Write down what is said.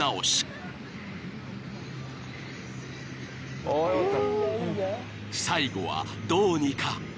［最後はどうにか］